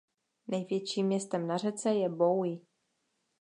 Největším městem na řece je Bowie.